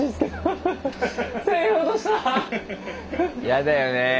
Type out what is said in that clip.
やだよねぇ。